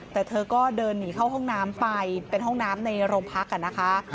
แต่เธอก็เดินหนีเข้าห้องน้ำไปเป็นห้องน้ำในโรงพักนะคะ